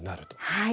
はい。